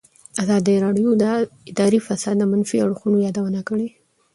ازادي راډیو د اداري فساد د منفي اړخونو یادونه کړې.